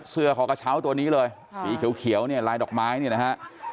เสื้อเลยความสีเขียวแล้วนี่รายดอกไม้นี่นะฮะ